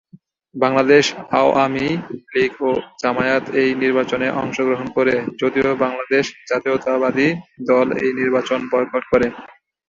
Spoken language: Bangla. বাংলাদেশ আওয়ামী লীগ ও জামায়াত এই নির্বাচনে অংশগ্রহণ করে যদিও বাংলাদেশ জাতীয়তাবাদী দল এই নির্বাচন বয়কট করে।